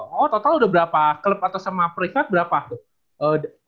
kok kok total udah berapa kelab atau sama privat berapa tuh